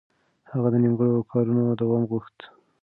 هغه د نيمګړو کارونو دوام غوښت.